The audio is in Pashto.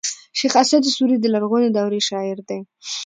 شېخ اسعد سوري د لرغوني دورې شاعر دﺉ.